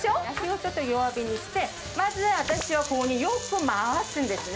ちょっと弱火にして、まず私はこういうふうによく回すんですね。